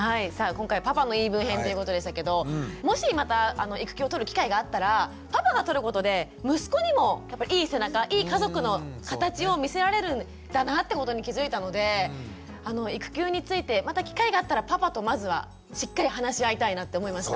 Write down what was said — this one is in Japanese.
今回「パパの言い分編」ということでしたけどもしまた育休を取る機会があったらパパが取ることで息子にもいい背中いい家族のかたちを見せられるんだなってことに気付いたので育休についてまた機会があったらパパとまずはしっかり話し合いたいなって思いました。